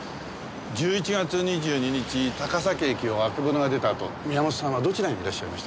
１１月２２日高崎駅をあけぼのが出たあと宮本さんはどちらにいらっしゃいました？